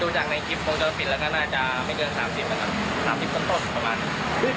ดูนี้คลิปจะเห็นเลยครับ